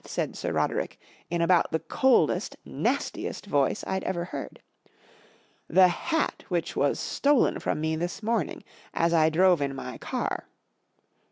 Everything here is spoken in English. said Sir Roderick in about the coldest, nastiest voice I'd ever heard, The hat which was stolen from me this morning as I drove in my car."